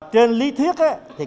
trên lý thuyết ấy